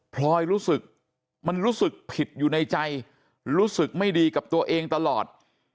พลอยรู้สึกมันรู้สึกผิดอยู่ในใจรู้สึกไม่ดีกับตัวเองตลอด